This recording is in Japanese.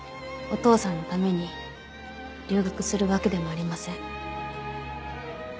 お父さんのために留学するわけでもありません。